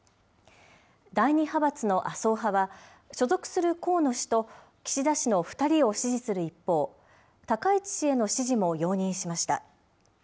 第２派閥の麻生派は、所属する河野氏と岸田氏の２人を支持する一方、高市氏への支持も容認しました。